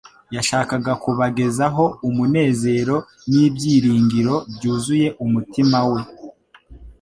yashakaga kubagezaho umunezero n'ibyiringiro byuzuye umutima we.